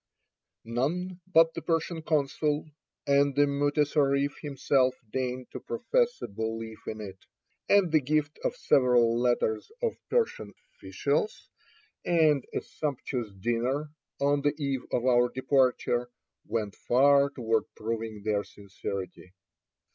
None but the Persian consul and the mutessarif himself deigned to profess a belief in it, and the gift of several letters to Persian officials, and a sumptuous dinner on the eve of our departure, went far toward proving their sincerity.